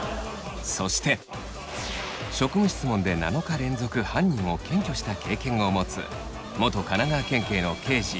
そして職務質問で７日連続犯人を検挙した経験を持つ元神奈川県警の刑事